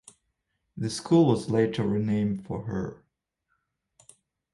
The school was later renamed for her.